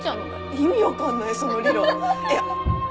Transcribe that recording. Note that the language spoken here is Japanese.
意味分かんないその理論。